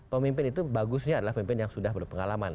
pemimpin itu bagusnya adalah pemimpin yang sudah berpengalaman